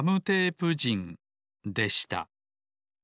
でした